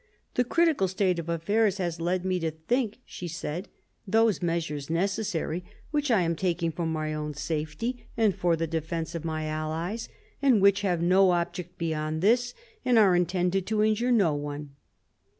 "The critical state of affairs has led me to think, " she said, "those measures necessary which I am taking for my own safety and for the defence of my allies, and which have no object beyond this, and are intended to injure no one."